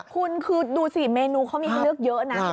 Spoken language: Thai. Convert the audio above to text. คุณคือดูสิเมนูเขามีให้เลือกเยอะนะ